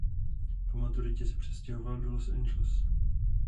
Po maturitě se přestěhoval do Los Angeles.